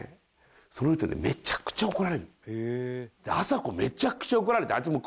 その人にめちゃくちゃ怒られるの。